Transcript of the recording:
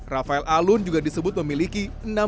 rafael alun juga disebut memiliki